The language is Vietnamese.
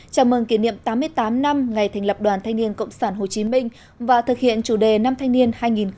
chào mừng kỷ niệm tám mươi tám năm ngày thành lập đoàn thanh niên cộng sản hồ chí minh và thực hiện chủ đề năm thanh niên hai nghìn một mươi chín